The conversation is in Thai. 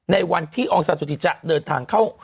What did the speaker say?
ในวันที่องซาซูจิจะเดินทางเข้า